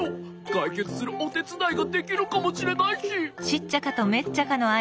かいけつするおてつだいができるかもしれないし。